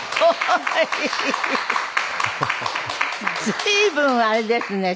随分あれですね。